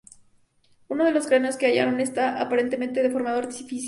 Uno de los cráneos que hallaron está, aparentemente, deformado artificialmente.